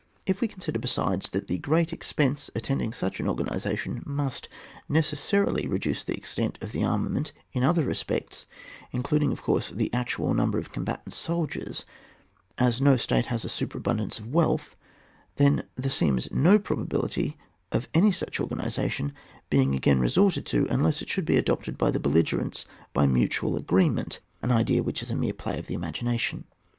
If we consider besides, that the ' great expense attending such an organisa tion must necessarily reduce the extent of the armament in other respects, including of course the actual number of combatant soldiers, as no state has a superabimdance of wealth, then there seems no proba bility of any such organisation being again resorted to unless it should be adopted by the belligerents by mutual agreement, an idea which is a mere play of the imagination.